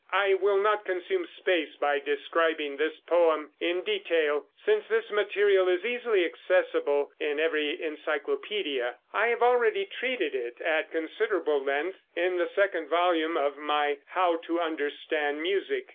I will not consume space by describing this poem in detail, since this material is easily accessible in every encyclopedia. I have already treated it at considerable length in the second volume of my "How to Understand Music."